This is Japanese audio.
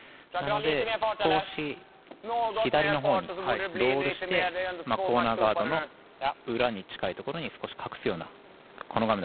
なので、少し左のほうにロールして、コーナーガードの裏に近いところに少し隠すような。